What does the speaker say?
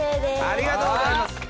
ありがとうございます。